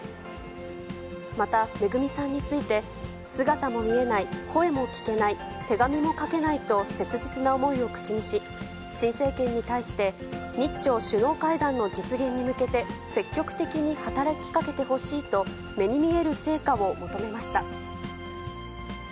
まためぐみさんについて、姿も見えない、声も聞けない、手紙も書けないと、切実な思いを口にし、新政権に対して、日朝首脳会談の実現に向けて、積極的に働きかけてほしいと、目に見える成果を求めました。